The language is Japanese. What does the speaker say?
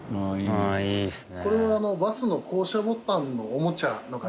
ああいいですね。